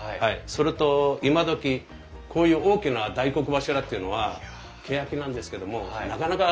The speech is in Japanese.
それと今どきこういう大きな大黒柱っていうのはけやきなんですけどもなかなかないんですね。